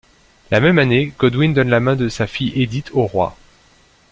La même année, Godwin donne la main de sa fille Édith au roi.